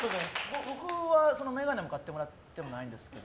僕は、眼鏡も買ってもらってないんですけど。